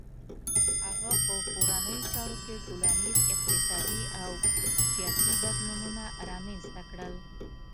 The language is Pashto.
هغه په کورنیو چارو کې ټولنیز، اقتصادي او سیاسي بدلونونه رامنځته کړل.